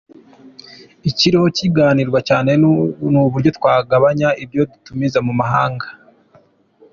Ikiriho kiganirwa cyane ni uburyo twagabanya ibyo dutumiza mu mahanga,.